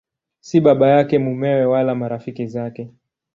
Si baba yake, mumewe wala marafiki zake.